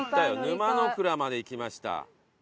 沼の倉まで行きました。